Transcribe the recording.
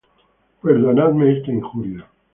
Perdonadme esta injuria.